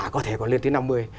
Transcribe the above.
có thể còn lên tới năm mươi